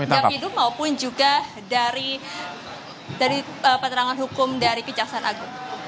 jam hidup maupun juga dari keterangan hukum dari kejaksaan agung